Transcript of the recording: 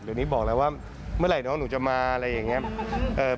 เดี๋ยวนี้บอกแล้วว่าเมื่อไหร่น้องหนูจะมาอะไรอย่างนี้